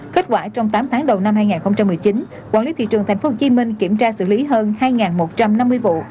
kết quả trong tám tháng đầu năm hai nghìn một mươi chín quản lý thị trường tp hcm kiểm tra xử lý hơn hai một trăm năm mươi vụ